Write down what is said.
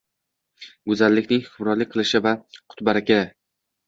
Go’zallikning hukmronlik qilishi va qut-baraka.